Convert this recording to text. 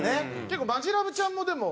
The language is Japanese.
結構マヂラブちゃんもでも。